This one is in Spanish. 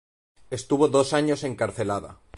Estuvo dos años encarcelada.